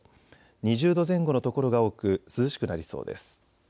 ２０度前後の所が多く涼しくなりそうです。